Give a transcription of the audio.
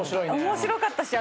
面白かったし。